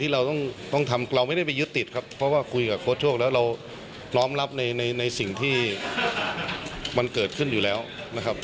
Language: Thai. เราต้องทำเราไม่ได้ไปยึดติดครับเพราะว่าคุยกับโค้ชโชคแล้วเราน้อมรับในในสิ่งที่มันเกิดขึ้นอยู่แล้วนะครับ